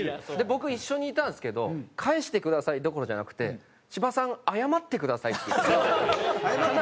僕一緒にいたんですけど「返してください」どころじゃなくて「芝さん謝ってください」って言って金指君が。